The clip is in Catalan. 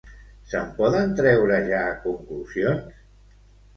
Se'n poden treure ja conclusions?